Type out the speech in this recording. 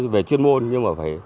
về chuyên môn nhưng mà phải